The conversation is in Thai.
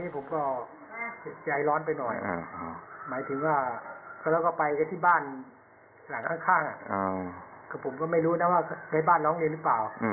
ผมก็ยกมือขอโทษเขานะก่อนทำก็ขอโทษนะพี่เป็นไรนะ